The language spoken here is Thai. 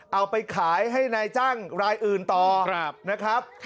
เอาไปขายให้นายจ้างรายอื่นต่อนะครับ